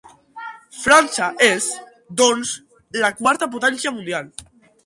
França és, doncs, la quarta potència mundial.